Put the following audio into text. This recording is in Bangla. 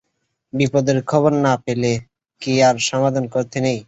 বিপদের খবর না পেলে কি আর সাবধান করতে নেই?